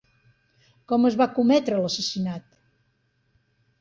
Com es va cometre l'assassinat?